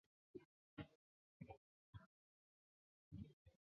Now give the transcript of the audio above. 现任中华开发工业银行常务董事兼总经理。